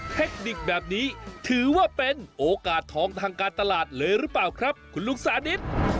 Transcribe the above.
เทคนิคแบบนี้ถือว่าเป็นโอกาสทองทางการตลาดเลยหรือเปล่าครับคุณลุงสานิท